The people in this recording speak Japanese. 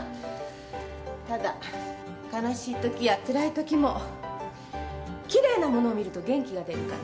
ただ悲しいときやつらいときも奇麗なものを見ると元気が出るから。